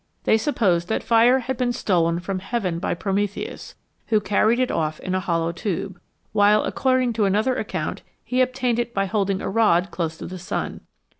They supposed that fire had been stolen from heaven by Prometheus, who carried it off in a hollow tube ; while, according to another account, he obtained it by holding a rod close to the sun.